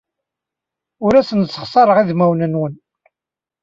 Ur asen-ssexṣareɣ udmawen-nwen.